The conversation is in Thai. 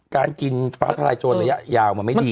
การกินฟ้าทลายโจรระยะยาวมันไม่ดี